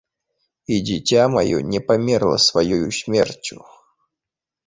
І дзіця маё не памерла сваёю смерцю.